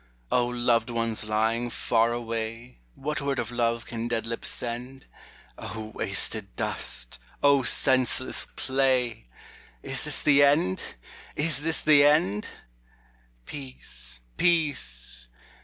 O loved ones lying far away, What word of love can dead lips send I O wasted dust ! O senseless clay ! Is this the end ! is this the end ! Peace, peace